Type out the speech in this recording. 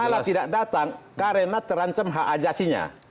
nyala tidak datang karena terancam hajasinya